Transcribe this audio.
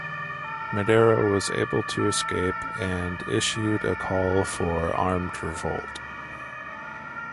Madero was able to escape and issued a call for armed revolt.